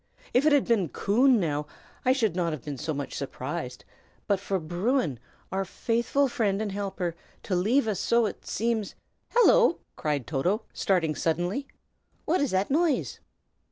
If it had been Coon, now, I should not have been so much surprised; but for Bruin, our faithful friend and helper, to leave us so, seems " "Hello!" cried Toto, starting suddenly, "what is that noise?"